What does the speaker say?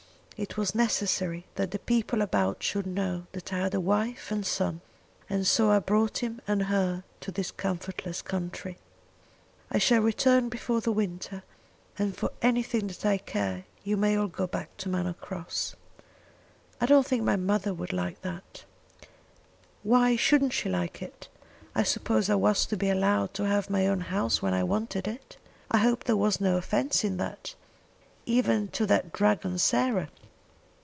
It was necessary that the people about should know that I had a wife and son, and so I brought him and her to this comfortless country. I shall return before the winter, and for anything that I care you may all go back to Manor Cross." "I don't think my mother would like that." "Why shouldn't she like it? I suppose I was to be allowed to have my own house when I wanted it? I hope there was no offence in that, even to that dragon Sarah?